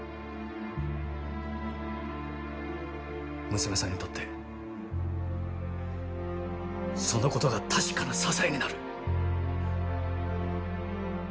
娘さんにとってそのことが確かな支えになる。